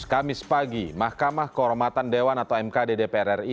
kamis pagi mahkamah kehormatan dewan atau mkd dpr ri